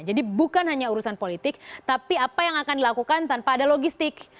jadi bukan hanya urusan politik tapi apa yang akan dilakukan tanpa ada logistik